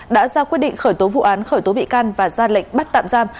đã ra quyết định khởi tố vụ án khởi tố bị can và ra lệnh bắt tạm giam